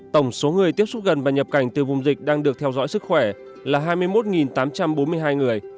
tổng số người tiếp xúc gần và nhập cảnh từ vùng dịch đang được theo dõi sức khỏe là hai mươi một tám trăm bốn mươi hai người